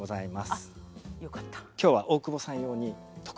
あっよかった。